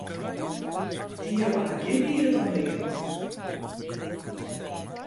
Dy jonge hat gjin niget oan learen.